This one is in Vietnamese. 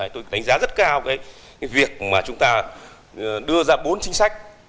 tôi đánh giá rất cao việc chúng ta đưa ra bốn chính sách